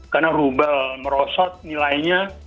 karena rubel merosot nilainya